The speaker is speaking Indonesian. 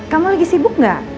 kamu lagi sibuk gak